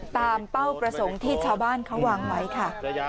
เป้าประสงค์ที่ชาวบ้านเขาวางไว้ค่ะ